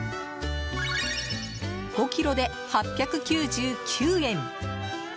５ｋｇで８９９円。